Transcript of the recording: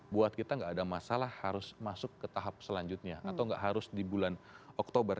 buat kita nggak ada masalah harus masuk ke tahap selanjutnya atau nggak harus di bulan oktober